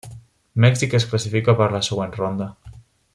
Mèxic es classifica per la següent ronda.